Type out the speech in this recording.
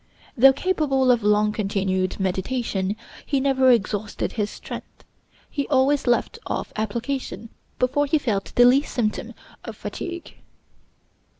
Though capable of long continued meditation, he never exhausted his strength; he always left off application before he felt the least symptom of fatigue.